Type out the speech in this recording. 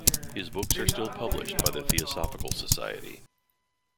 His books are still published by the Theosophical Society.